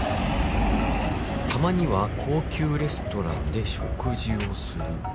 「たまには高級レストランで食事をする」